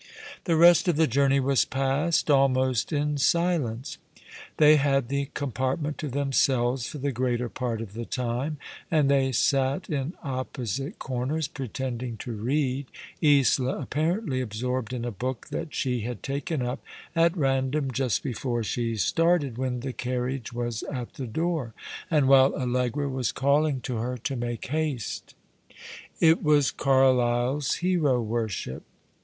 The rest of the journey was passed almost in silence. They had the compartment to themselves for the greater part of the time, and they sat in opposite corners, pretending to read — Isola apparently absorbed in a book that she had taken up at random just before she started, when the car riage was at the door, and while Allegra was calling to her to make haste. 1 88 All alo7ig the River, It was Carlyle's ''Hero Worship."